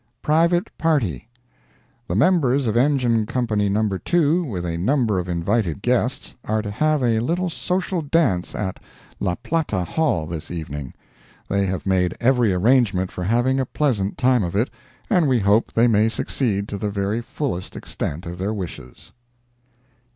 PRIVATE PARTY.—The members of Engine Co. No. 2, with a number of invited guests, are to have a little social dance at La Plata Hall, this evening. They have made every arrangement for having a pleasant time of it, and we hope they may succeed to the very fullest extent of their wishes.